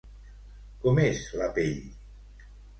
Com és la pell?